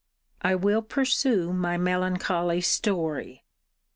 I will pursue my melancholy story.